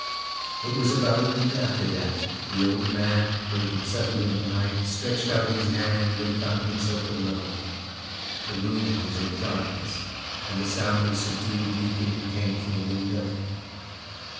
It was about a week after that the old man, waking suddenly in the night, stretched out his hand and found himself alone. The room was in darkness, and the sound of subdued weeping came from the window.